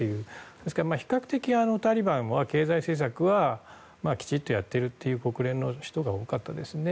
ですから、比較的タリバンの経済政策はきちんとやっているという国連の人が多かったですね。